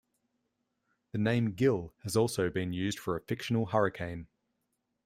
The name Gil has also been used for a fictional hurricane.